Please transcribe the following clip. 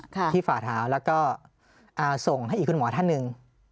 ที่ฝ่าเท้าแล้วก็อ่าส่งให้อีกคุณหมอท่านหนึ่ง